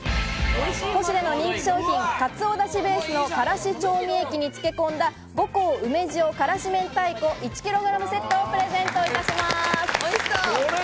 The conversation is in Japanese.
ポシュレの人気商品、かつおだしベースの辛子調味液に漬け込んだ「伍巧梅塩辛子明太子１ｋｇセット」をプレゼントいたします。